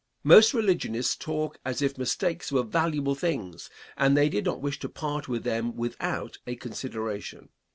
Most religionists talk as if mistakes were valuable things and they did not wish to part with them without a consideration.